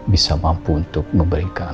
bisa mampu untuk memberikan